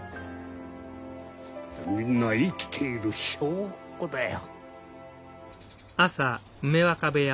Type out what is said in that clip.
みんな生きている証拠だよ。